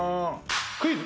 クイズ。